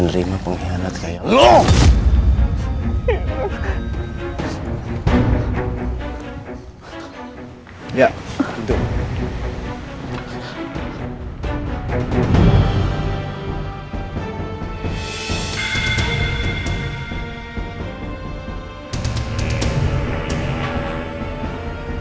bertemu dengan bos kamu yang bernama iqbal